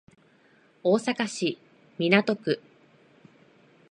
大阪市港区